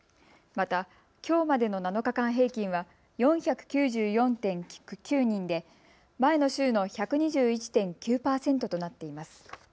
また、きょうまでの７日間平均は４９４．９人で前の週の１２１．９％となっています。